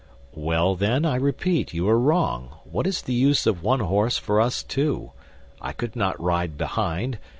"Well, then, I repeat, you are wrong. What is the use of one horse for us two? I could not ride behind.